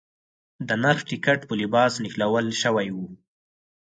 د نرخ ټکټ په لباس نښلول شوی و.